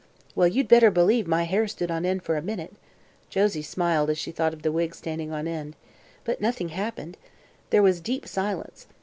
Well, you'd better believe my hair stood on end for a minute," Josie smiled as she thought of the wig standing on end, "but nothing happened. There was deep silence.